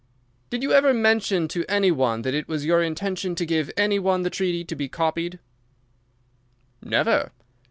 "Did you ever mention to any one that it was your intention to give any one the treaty to be copied?" "Never."